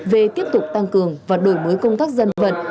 về tiếp tục tăng cường và đổi mới công tác dân vận